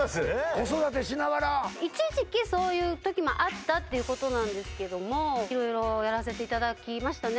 子育てしながら一時期そういう時もあったっていうことなんですけども色々やらせていただきましたね